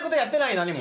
何も。